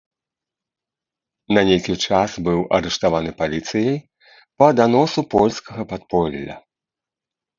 На нейкі час быў арыштаваны паліцыяй па даносу польскага падполля.